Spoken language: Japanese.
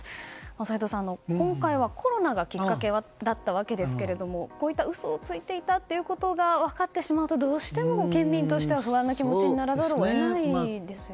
齋藤さん、今回はコロナがきっかけだったわけですが嘘をついていたということが分かってしまうとどうしても県民の気持ちとしては不安にならざるを得ないですね。